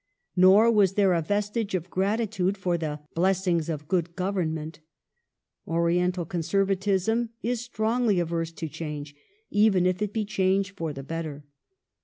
Nor was there a vestige of gratitude for the '' blessings of good Government ". Oriental conservatism is strongly averse to change even if it be change for the better.